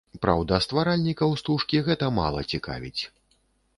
Праўда, стваральнікаў стужкі гэта мала цікавіць.